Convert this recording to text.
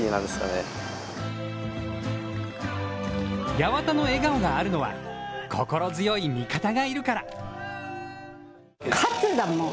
八幡の笑顔があるのは心強い味方がいるから。